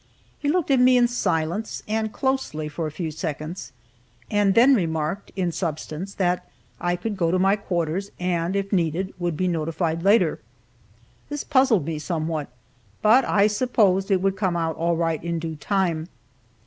He looked at me in silence, and closely, for a few seconds, and then remarked, in substance, that I could go to my quarters, and if needed, would be notified later. This puzzled me somewhat, but I supposed it would come out all right in due time.